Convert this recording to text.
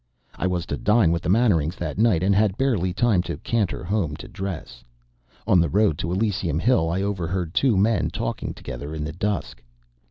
I was to dine with the Mannerings that night, and had barely time to canter home to dress. On the road to Elysium Hill I overheard two men talking together in the dusk.